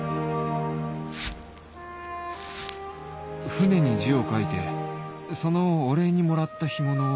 船に字を書いてそのお礼にもらった干物を